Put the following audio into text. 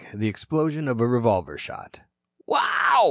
The explosion of a revolver shot. "Wow."